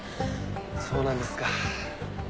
そうなんですか。